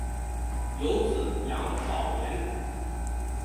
有子杨葆元。